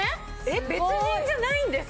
別人じゃないんですか？